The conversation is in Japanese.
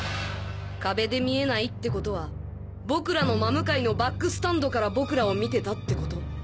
壁で見えないってことは僕らの真向かいのバックスタンドから僕らを見てたってこと。